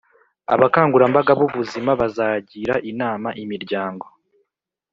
abakangurambaga b'ubuzima bazagira inama imiryango